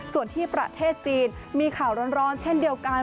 ส่วนที่ประเทศจีนมีข่าวร้อนเช่นเดียวกัน